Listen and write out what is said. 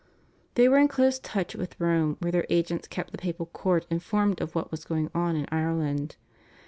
They were in close touch with Rome where their agents kept the Papal Court informed of what was going on in Ireland.